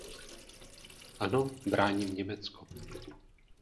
Ano, bráním Německo.